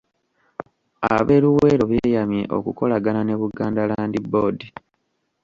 Ab'e Luweero beeyamye okukolagana ne Buganda Land Board.